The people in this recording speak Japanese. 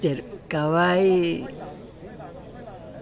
かわいい。